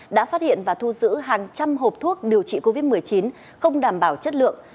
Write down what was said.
đã phát hiện và thu giữ hàng trăm hộp thuốc điều trị covid một mươi chín không đảm bảo chất lượng